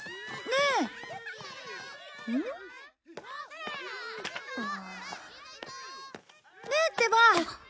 ねえってば。